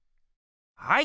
はい！